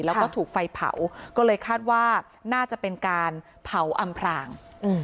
แล้วก็ถูกไฟเผาก็เลยคาดว่าน่าจะเป็นการเผาอำพราง